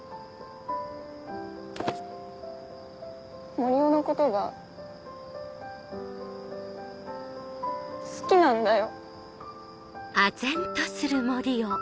森生のことが好きなんだよ。